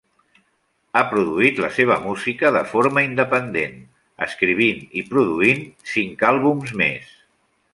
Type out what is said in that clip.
Ha produït la seva música de forma independent, escrivint i produint cinc àlbums més.